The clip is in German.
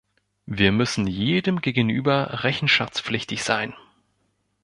Wir müssen jedem gegenüber rechenschaftspflichtig sein.